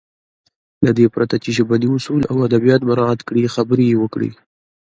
له دې پرته چې ژبني اصول او ادبيات مراعت کړي خبرې يې وکړې.